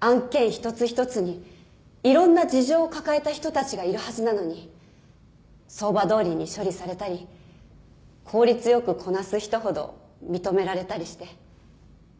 案件一つ一つにいろんな事情を抱えた人たちがいるはずなのに相場どおりに処理されたり効率よくこなす人ほど認められたりして。